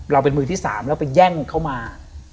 เป็นมือที่๓แล้วไปแย่งเข้ามา